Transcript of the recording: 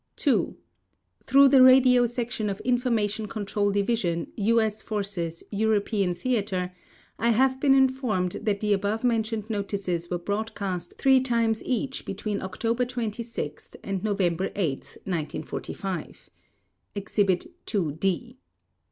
2. Through the Radio Section of Information Control Division, U.S. Forces, European Theater, I have been informed that the above mentioned notices were broadcast three times each between October 26 and November 8, 1945 (Exhibit II D).